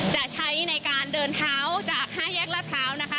จะใช้ในการเดินเท้าจาก๕แยกรัฐพร้าวนะคะ